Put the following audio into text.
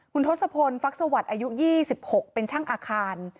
คุณทศพลฟักษวรรษอายุยี่สิบหกเป็นช่างอาคาร